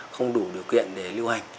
không đủ điều kiện để lưu hành